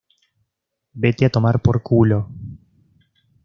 Vete a tomar por culo